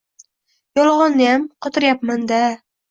Yolg‘onniyam qotiryapman-da!